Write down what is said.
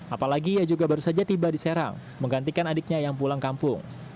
apalagi ia juga baru saja tiba di serang menggantikan adiknya yang pulang kampung